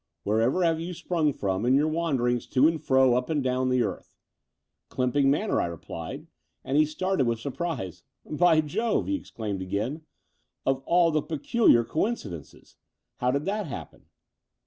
Wherever have you sprung from in your wander ings to and fro up and down the earth?'* "Cljnnping Manor," I replied; and he started with surprise. "By Jove," he exclaimed again, of all the peculiar coincidences! How did that happen?"